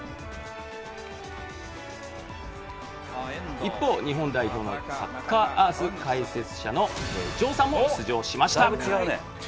一方、日本代表の『サッカー★アース』解説者の城さんも出場しました。